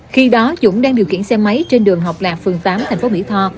khi đó dũng đang điều khiển xe máy trên đường học lạc phường tám thành phố mỹ tho